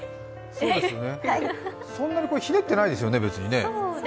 そんなにこれ、ひねってないですよね。